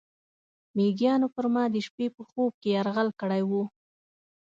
میږیانو پر ما د شپې په خوب کې یرغل کړی و.